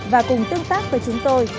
và cùng tương tác với chúng tôi